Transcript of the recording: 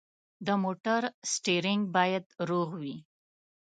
د موټر سټیرینګ باید روغ وي.